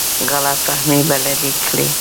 غلط فهمۍ به لرې کړي.